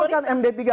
tidak ada pasal